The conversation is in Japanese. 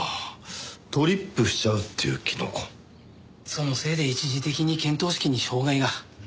そのせいで一時的に見当識に障害が。